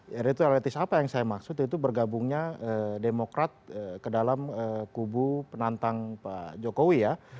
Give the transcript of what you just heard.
yaitu relatif apa yang saya maksud itu bergabungnya demokrat ke dalam kubu penantang pak jokowi ya